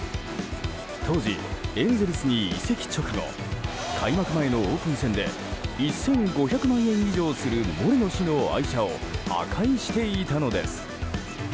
当時、エンゼルスに移籍直後開幕前のオープン戦で１５００万円以上するモレノ氏の愛車を破壊していたのです。